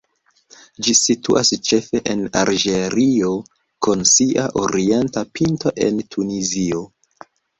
Ĝi situas ĉefe en Alĝerio, kun sia orienta pinto en Tunizio.